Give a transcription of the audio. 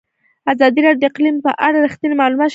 ازادي راډیو د اقلیم په اړه رښتیني معلومات شریک کړي.